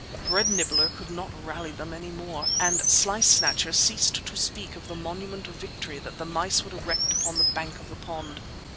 Bread Nibbler could not rally them any more, and Slice Snatcher ceased to speak of the monument of victory that the mice would erect upon the bank of the pond.